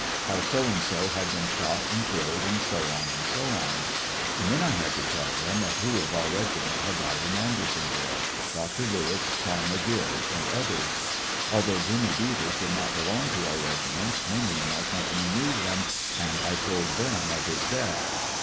How so and so had been shot and killed, &c., &c. And then I had to tell them of who of our regi ment had died in Andersonville — Dr. Lewis, Tom McGill and others. Although Jimmy Devers did not belong to our regiment, many in our company knew him, and I told them of his death.